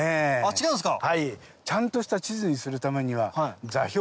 違うんすか？